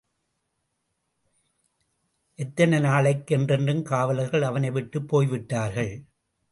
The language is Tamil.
எத்தனை நாளைக்கு? என்றென்றும்! காவலர்கள் அவனைவிட்டுப் போய்விட்டார்கள்.